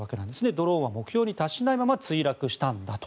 ドローンは目標に達しないまま墜落したんだと。